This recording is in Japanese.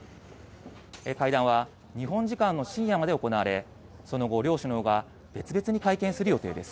会談は、日本時間の深夜まで行われ、その後、両首脳が別々に会見する予定です。